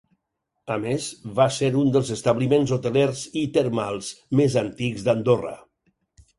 A més, va ser un dels establiments hotelers i termals més antics d'Andorra.